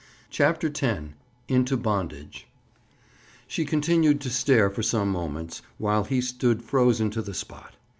CHAPTER X—INTO BONDAGE She continued to stare for some moments, while he stood frozen to the spot.